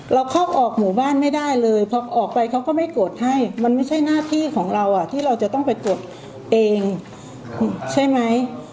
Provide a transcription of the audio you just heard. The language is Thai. เข้าออกหมู่บ้านไม่ได้เลยพอออกไปเขาก็ไม่กดให้มันไม่ใช่หน้าที่ของเราที่เราจะต้องไปตรวจเองใช่ไหม